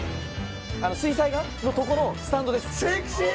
あの水彩画のとこのスタンドですセクシー！